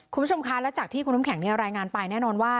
คุณผู้ชมคะแล้วจากที่คุณทุ่มแข็งเนี่ยรายงานไปแน่นอนว่า